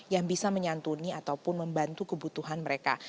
yang bisa menyantuni ataupun membantu kebutuhan mereka